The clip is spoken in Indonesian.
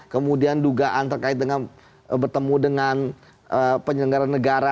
kemudian dugaan terkait dengan bertemu dengan penyelenggara negara